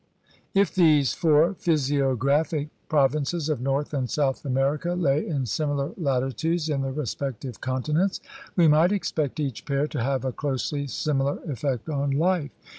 If these four physiographic provinces of North and South America lay in similar latitudes in the respective continents we might expect each pair to have a closely similar effect on life.